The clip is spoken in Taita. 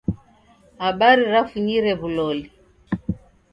Habari rafunyire w'uloli.